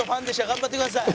頑張ってください」